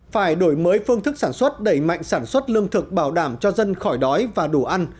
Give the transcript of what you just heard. phải đổi mới phương thức sản xuất đẩy mạnh sản xuất lương thực bảo đảm cho dân khỏi đói và đủ ăn